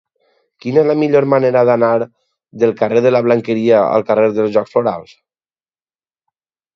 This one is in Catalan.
Quina és la millor manera d'anar del carrer de la Blanqueria al carrer dels Jocs Florals?